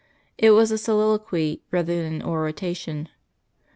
It was a soliloquy rather than an oration.